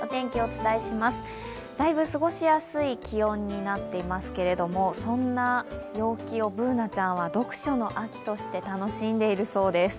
だいぶ過ごしやすい気温になっていますけれどもそんな陽気をＢｏｏｎａちゃんは読書の秋として楽しんでるそうです。